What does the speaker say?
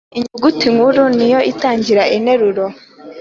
Inyuguti nkuru niyo itangira interuro.